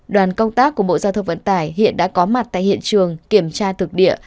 đoàn công tác của bộ giao thông vận tải hiện đã có mặt tại hiện trường kiểm tra thực địa